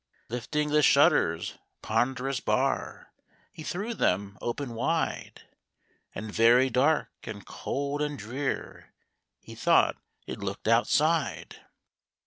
Lifting the shutters' ponder ous bar, He threw them open wide, And very dark, and cold, and drear, He thought it looked out side.